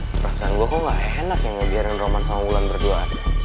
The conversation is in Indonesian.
perasaan gue kok gak enak ya biarin roman sama bulan berdua